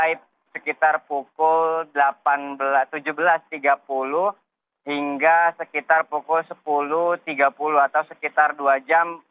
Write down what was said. mulai sekitar pukul tujuh belas tiga puluh hingga sekitar pukul sepuluh tiga puluh atau sekitar dua jam